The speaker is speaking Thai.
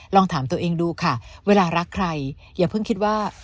ลองถามตัวเองดูค่ะเวลารักใครอย่าเพิ่งคิดว่า